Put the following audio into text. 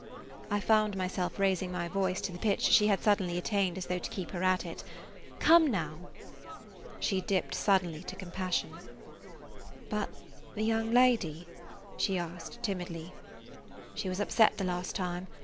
I found myself raising my voice to the pitch she had suddenly attained as though to keep her at it. "Come now!" She dipped suddenly to compassion. [Page 89] "But the young lady?" she asked timidly. "She was upset the last time.